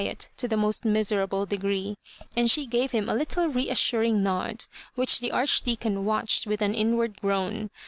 et to the most miserable degree ; and she gave him a little reassuring nod, which the Archdeacon watched with an inward groan.